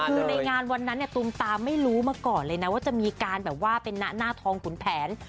คือในงานวันนั้นเนี่ยตุมตามไม่รู้มาก่อนเลยนะว่าจะมีการแบบว่าเป็นหน้าทองขุนแผน